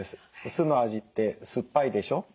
酢の味って酸っぱいでしょ。